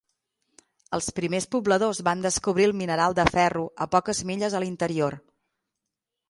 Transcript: Els primers pobladors van descobrir el mineral de ferro a poques milles a l'interior.